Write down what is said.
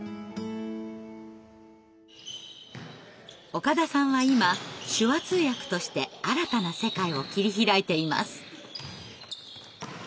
岡田さんは今手話通訳として新たな世界を切り開いています。